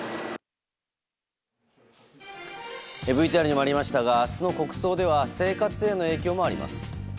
ＶＴＲにもありましたが明日の国葬では生活への影響もあります。